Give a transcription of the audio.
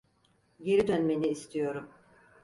Geri dönmeni istiyorum.